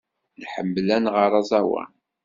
Nḥemmel ad nɣer aẓawan.